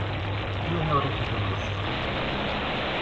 Yiwen ur ixeddem leṣlaḥ.